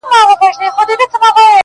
هېره دي وعده د لطافت او د عطا نسي,